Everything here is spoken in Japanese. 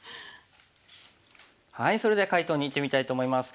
それでは解答にいってみたいと思います。